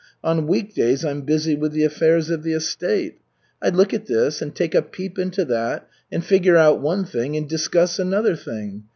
On week days I'm busy with the affairs of the estate. I look at this and take a peep into that, and figure out one thing and discuss another thing.